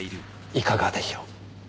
いかがでしょう？